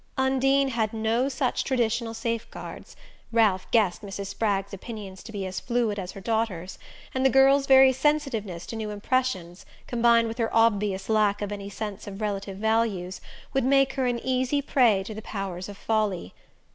Undine had no such traditional safeguards Ralph guessed Mrs. Spragg's opinions to be as fluid as her daughter's and the girl's very sensitiveness to new impressions, combined with her obvious lack of any sense of relative values, would make her an easy prey to the powers of folly.